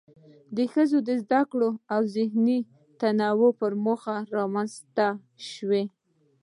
د ښځو د زده کړو او ذهني تنوير په موخه رامنځ ته شوه.